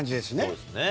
そうですね。